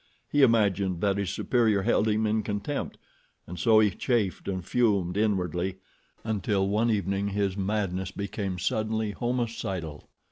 He imagined that his superior held him in contempt, and so he chafed and fumed inwardly until one evening his madness became suddenly homicidal.